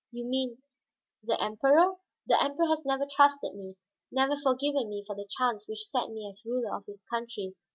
"You mean the Emperor?" "The Emperor has never trusted me, never forgiven me for the chance which set me as ruler of his country.